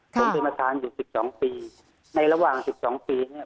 ก็เป็นประธานอยู่สิบสองปีในระหว่างสิบสองปีเนี่ย